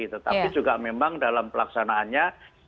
tetapi juga memang dalam pelaksanaannya